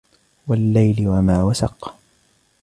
وَاللَّيْلِ وَمَا وَسَقَ